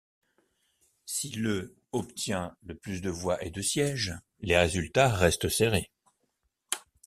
Si le obtient le plus de voix et de siège, les résultats restent serrés.